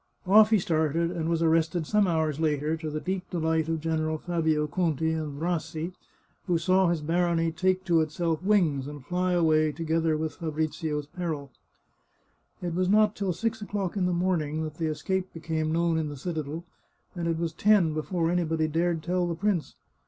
" Off he started, and was arrested some hours later, to the deep delight of General Fabio Conti and Rassi, who saw his barony take to itself wings and fly away together with Fa brizio's peril. It was not till six o'clock in the morning that the escape became known in the citadel, and it was ten before anybody dared tell the prince.